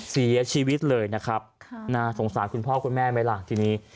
เสียชีวิตเลยนะครับน่าสงสารคุณพ่อคุณแม่ไหมล่ะทีนี้